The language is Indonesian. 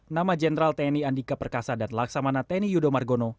nama jenderal tni andika perkasa dan laksamana tni yudo margono